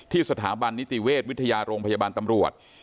สถาบันนิติเวชวิทยาโรงพยาบาลตำรวจ